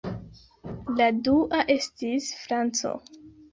La dua estis franco.